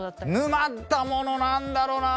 沼ったものなんだろな？